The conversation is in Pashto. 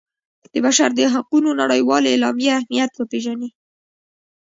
د بشر د حقونو نړیوالې اعلامیې اهمیت وپيژني.